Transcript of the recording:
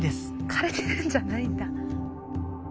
枯れてるんじゃないんだ。